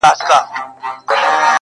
انتظار به د سهار کوو تر کومه،